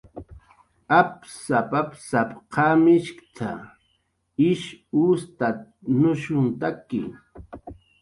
"Apsap"" apsap"" qamishkt"" ish ustatnushuntaki"